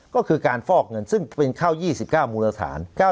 ก็คือการฟอกเงินซึ่งเป็นข้าว๒๙มูลฐาน